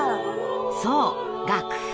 そう楽譜。